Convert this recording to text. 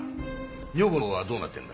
女房のほうはどうなってんだ？